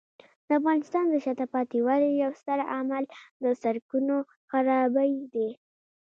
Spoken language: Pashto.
د افغانستان د شاته پاتې والي یو ستر عامل د سړکونو خرابۍ دی.